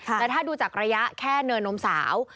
แล้วถ้าดูจากระยะแค่เนินนมสาว